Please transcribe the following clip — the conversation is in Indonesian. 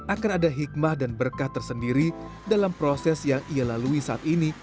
akan ada hikmah dan berkah tersendiri dalam proses yang ia lalui saat ini